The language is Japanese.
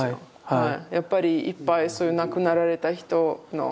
はい。